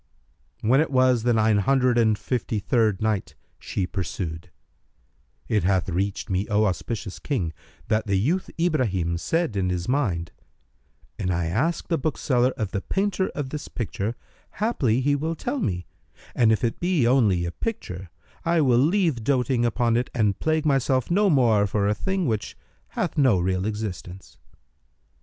When it was the Nine Hundred and Fifty third Night, She pursued, It hath reached me, O auspicious King, that the youth Ibrahim said in his mind, "An I ask the bookseller of the painter of this picture, haply he will tell me; and, if it be only a picture, I will leave doting upon it and plague myself no more for a thing which hath no real existence."